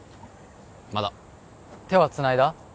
まだ手はつないだ？